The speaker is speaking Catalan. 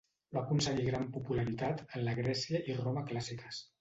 Va aconseguir gran popularitat en la Grècia i Roma clàssiques.